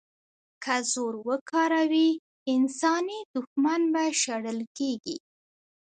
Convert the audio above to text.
که زور وکاروي، انساني دوښمن به شړل کېږي.